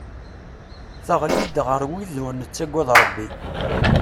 Teɣli-d ɣer wid ur nettagad Rebbi.